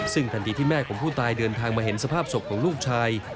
ซึ่งทันทีที่แม่ของผู้ตายเดินทางมาเห็นสภาพศพของลูกชาย